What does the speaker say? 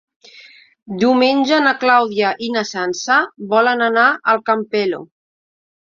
Diumenge na Clàudia i na Sança volen anar al Campello.